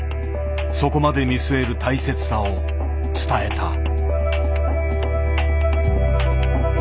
そこまで見据える大切さを伝えた。